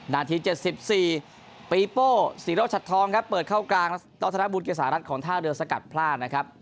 นาที๗๔ปีโป้ศรีโรชัดทองครับเปิดเข้ากลางรัฐธนบุญเกษารัฐของท่าเรือสกัดพลาดนะครับ